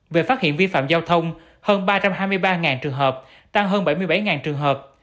về phát hiện vi phạm giao thông hơn ba trăm hai mươi ba trường hợp tăng hơn bảy mươi bảy trường hợp